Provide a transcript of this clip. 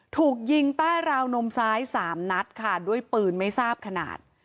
ถูกยิงใต้ราวนมซ้ายสามนัดค่ะด้วยปืนไม่ทราบขนาด